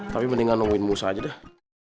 tapi mendingan nungguin musa aja deh